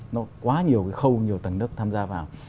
nó quá nhiều cái khâu nhiều tầng nước tham gia vào